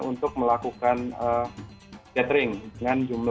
untuk menggunakan masker dengan pembatasan berkumpul